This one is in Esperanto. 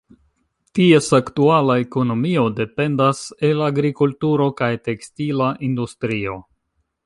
Ties aktuala ekonomio dependas el agrikulturo kaj tekstila industrio.